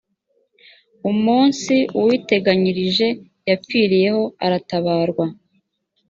umunsi uwiteganyirije yapfiriyeho aratabarwa